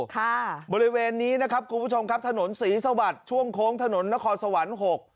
ค่ะบริเวณนี้นะครับคุณผู้ชมครับถนนศรีสวัสดิ์ช่วงโค้งถนนนครสวรรค์หก